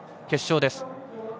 決勝です。